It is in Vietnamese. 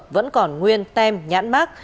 vẫn còn nguyên tem nhãn mát